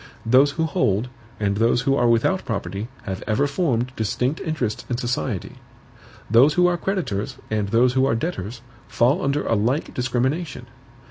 Those who hold and those who are without property have ever formed distinct interests in society. Those who are creditors, and those who are debtors, fall under a like discrimination.